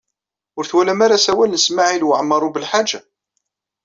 Ur twalam ara asawal n Smawil Waɛmaṛ U Belḥaǧ?